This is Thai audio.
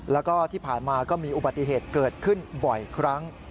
แล้วก็ที่ผ่านมาก็มีอุบัติเหตุเกิดขึ้นบ่อยครั้ง